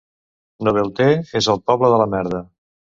Novetlè és el poble de la merda.